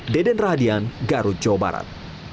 deden rahadian garut jawa barat